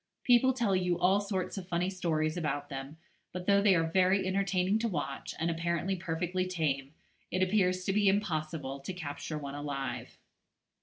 People tell you all sorts of funny stories about them; but though they are very entertaining to watch, and apparently perfectly tame, it appears to be impossible to capture one alive.